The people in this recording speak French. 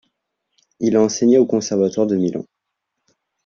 Il a enseigné au conservatoire de Milan.